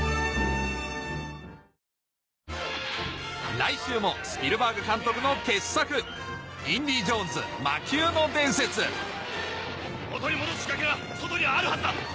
来週もスピルバーグ監督の傑作『インディ・ジョーンズ魔宮の伝説』元に戻す仕掛けが外にあるはずだ！